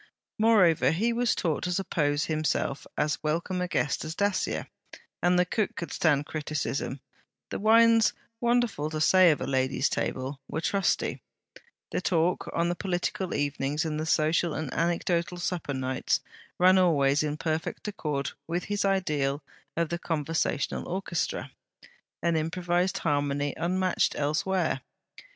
Moreover, he was taught to suppose himself as welcome a guest as Dacier; and the cook could stand criticism; the wines wonderful to say of a lady's table were trusty; the talk, on the political evenings and the social and anecdotal supper nights, ran always in perfect accord with his ideal of the conversational orchestra: an improvized harmony, unmatched elsewhere.